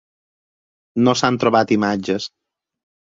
No s'han trobat imatges.